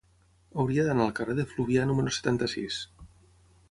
Hauria d'anar al carrer de Fluvià número setanta-sis.